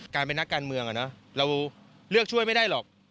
เป็นนักการเมืองเราเลือกช่วยไม่ได้หรอก